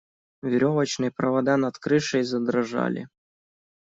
Веревочные провода над крышей задрожали.